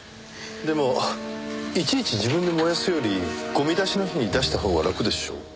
でもいちいち自分で燃やすよりゴミ出しの日に出したほうが楽でしょう？